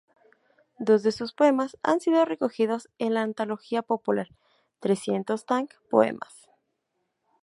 Dos de sus poemas han sido recogidos en la antología popular "Trescientos Tang Poemas.